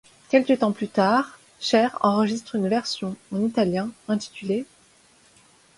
Quelque temps plus tard, Cher enregistre une version en italien intitulée '.